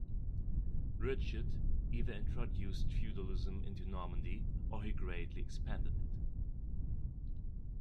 Richard either introduced feudalism into Normandy or he greatly expanded it.